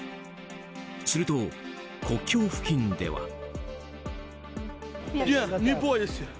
すると、国境付近では。